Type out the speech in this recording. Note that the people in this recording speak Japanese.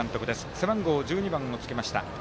背番号１２番をつけました